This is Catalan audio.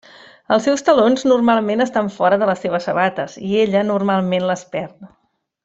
Els seus talons normalment estan fora de les seves sabates, i ella normalment les perd.